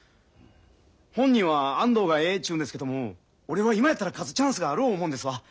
本人は安藤がええちゅうんですけども俺は今やったら勝つチャンスがある思うんですわ。